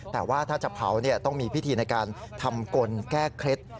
แต่ว่าถ้าจะเผาต้องมีพิธีในการทำกลแก้เคล็ด